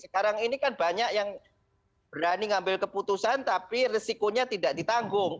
sekarang ini kan banyak yang berani ngambil keputusan tapi resikonya tidak ditanggung